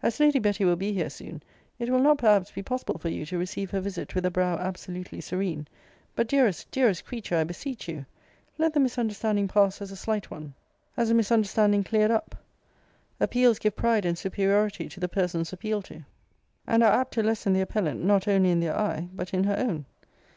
As Lady Betty will be here soon, it will not perhaps be possible for you to receive her visit with a brow absolutely serene. But, dearest, dearest creature, I beseech you, let the misunderstanding pass as a slight one as a misunderstanding cleared up. Appeals give pride and superiority to the persons appealed to, and are apt to lessen the appellant, not only in their eye, but in her own.